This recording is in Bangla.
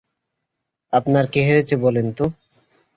আপনার কী হয়েছে বলুন তো?